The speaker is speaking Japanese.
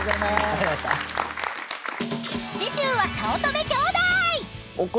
［次週は早乙女兄弟！］